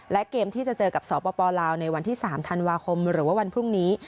และเกมที่จะเจอกับสปลาวในวันที่๓ธันวาคมหรือว่าวันพรุ่งนี้